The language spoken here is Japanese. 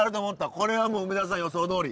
これは梅沢さん予想どおり。